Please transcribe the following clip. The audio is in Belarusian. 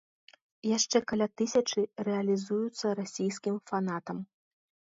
Яшчэ каля тысячы рэалізуюцца расійскім фанатам.